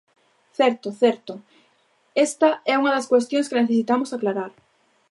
Certo, certo, esta é unha das cuestións que necesitamos aclarar.